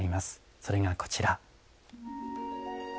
それがこちら。